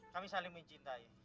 kami saling mencintai